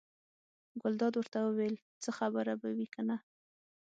ګلداد ورته وویل: څه خبره به وي کنه.